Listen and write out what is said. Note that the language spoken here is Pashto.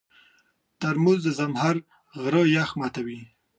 ترموز د زمهر د غره یخ ماتوي.